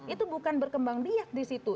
itu bukan berkembang diet di situ